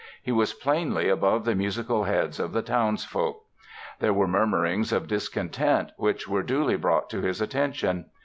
He was plainly above the musical heads of the townsfolk. There were murmurings of discontent which were duly brought to his attention.